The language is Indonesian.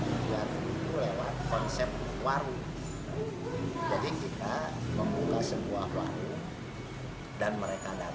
jadi kita membuka sebuah warung dan mereka datang memilih